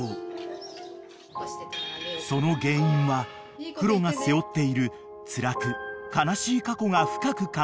［その原因はクロが背負っているつらく悲しい過去が深く関係していた］